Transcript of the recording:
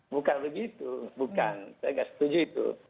bukan begitu bukan saya nggak setuju itu